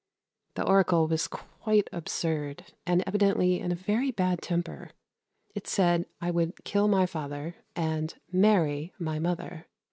The Oracle was quite absurd, and evidently in a very bad temper. It said I would kill my father and marry my mother.